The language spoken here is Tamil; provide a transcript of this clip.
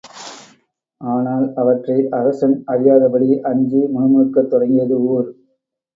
ஆனால் அவற்றை அரசன் அறியாதபடி அஞ்சி முணுமுணுக்கத் தொடங்கியது ஊர்.